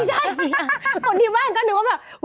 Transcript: ใช่คนที่บ้านก็นึกว่าแบบ